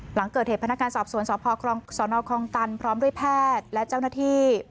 หลังเกิดเหตุพนักงานสอบสวนสพสนคลองตันพร้อมด้วยแพทย์และเจ้าหน้าที่